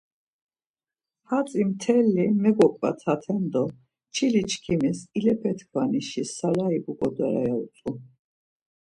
Hatzi mtelli megoǩvataten do çili çkimis ilepe tkvanişi sarayi buǩodare ya utzu.